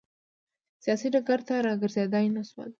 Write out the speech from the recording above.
سیاسي ډګر ته راګرځېدای نه شول.